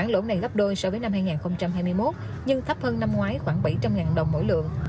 lỗ này gấp đôi so với năm hai nghìn hai mươi một nhưng thấp hơn năm ngoái khoảng bảy trăm linh đồng mỗi lượng